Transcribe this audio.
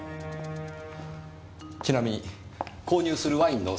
ちなみに購入するワインのセレクトは？